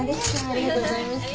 ありがとうございます。